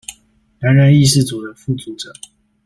擔任議事組的副組長